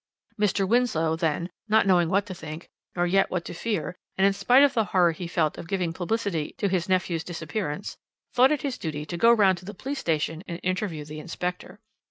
"Mr. Winslow, then, not knowing what to think, nor yet what to fear, and in spite of the horror he felt of giving publicity to his nephew's disappearance, thought it his duty to go round to the police station and interview the inspector.